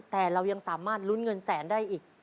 แต่เรายังสามารถลุ้นเงินแสนได้อีก